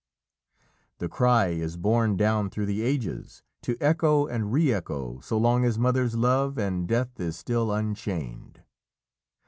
'"... The cry is borne down through the ages, to echo and re echo so long as mothers love and Death is still unchained.